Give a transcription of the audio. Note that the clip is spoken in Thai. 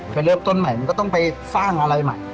ไปเลือกต้นใหม่ก็ต้องไปฝ้างอะไรใหม่